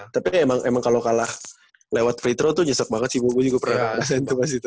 tapi emang kalau kalah lewat free throw tuh nyesek banget sih gue juga pernah ngerasain tuh pas itu